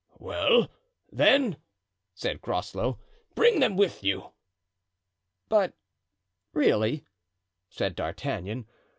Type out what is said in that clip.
"Well, then," said Groslow, "bring them with you." "But really——" said D'Artagnan.